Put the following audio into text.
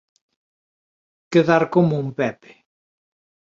Quedar como un Pepe